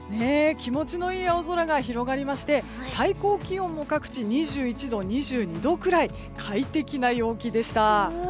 気持ちのいい青空が広がりまして最高気温も各地２１度、２２度くらいと快適な陽気でした。